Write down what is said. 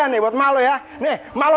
saya udah muak sama kamu